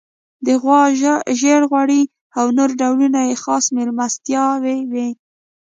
د غوا ژړ غوړي او نور ډولونه یې خاص میلمستیاوې وې.